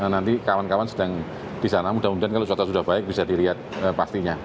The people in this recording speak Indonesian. nanti kawan kawan sedang di sana mudah mudahan kalau cuaca sudah baik bisa dilihat pastinya